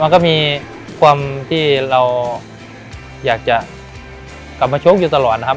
มันก็มีความที่เราอยากจะกลับมาชกอยู่ตลอดนะครับ